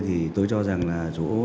thì tôi cho rằng là